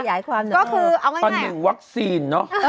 ก็คือเอาง่าย